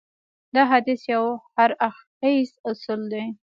دا حديث يو هراړخيز اصول دی.